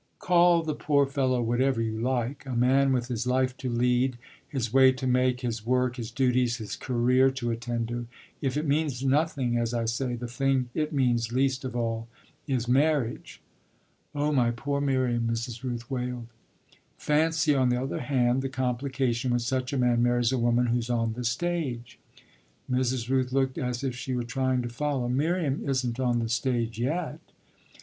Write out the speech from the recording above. "Call the poor fellow whatever you like: a man with his life to lead, his way to make, his work, his duties, his career to attend to. If it means nothing, as I say, the thing it means least of all is marriage." "Oh my own Miriam!" Mrs. Rooth wailed. "Fancy, on the other hand, the complication when such a man marries a woman who's on the stage." Mrs. Rooth looked as if she were trying to follow. "Miriam isn't on the stage yet."